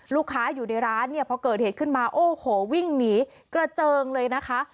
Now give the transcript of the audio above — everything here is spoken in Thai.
ลูกค้าอยู่ในร้านเนี่ยพอเกิดเหตุขึ้นมาโอ้โหวิ่งหนีกระเจิงเลยนะคะ